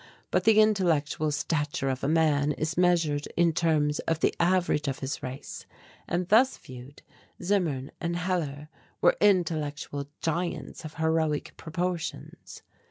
But the intellectual stature of a man is measured in terms of the average of his race, and, thus viewed, Zimmern and Hellar were intellectual giants of heroic proportions.